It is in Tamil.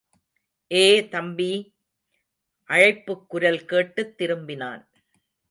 ஏ, தம்பி! அழைப்புக் குரல் கேட்டுத் திரும்பினான்.